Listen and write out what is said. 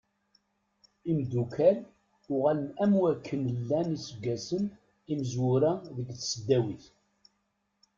Imddukal uɣal am wakken llan iseggasen imezwura deg tesdawit.